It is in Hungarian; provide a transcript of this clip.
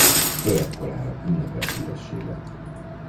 Öreg korára ünnepelt híresség lett.